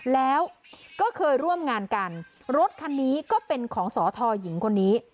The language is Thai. แล้วก็เคยร่วมงานกันรถคันนี้ก็เป็นของสอทอหญิงคนนี้